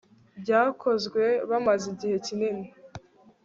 byakozwe bamaze igihe kinini